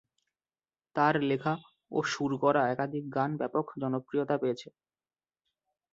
তার লেখা ও সুর করা একাধিক গান ব্যাপক জনপ্রিয়তা পেয়েছে।